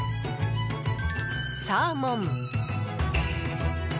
サーモン。